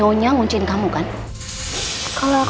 dan berima kasih pak